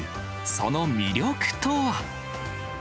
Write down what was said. その魅力とは。